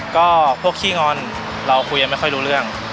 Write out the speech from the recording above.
ก็พวกขี้งอนเราคุยกันไม่ค่อยรู้เรื่อง